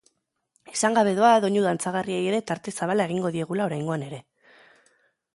Esan gabe doa doinu dantzagarriei ere tarte zabala egingo diegula oraingoan ere.